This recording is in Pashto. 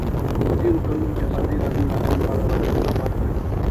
په تېرو کلونو کې ازادي راډیو د اقلیم په اړه راپورونه خپاره کړي دي.